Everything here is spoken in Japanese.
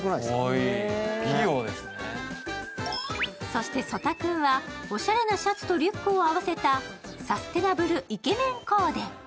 そして、曽田君はおしゃれなシャツとリュックを合わせたサステナブル・イケメン・コーデ。